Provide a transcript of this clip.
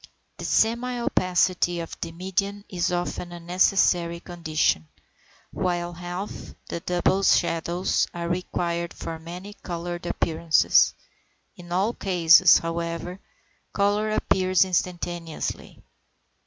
The semi opacity of the medium is often a necessary condition; while half, and double shadows, are required for many coloured appearances. In all cases, however, colour appears instantaneously.